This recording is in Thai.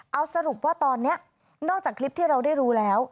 เอาสรุปว่าตอนนี้นอกจากคลิปที่เราได้รู้แล้ว